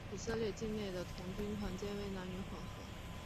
以色列境内的童军团皆为男女混合。